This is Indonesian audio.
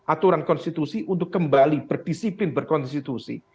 aturan konstitusi untuk kembali berdisiplin berkonstitusi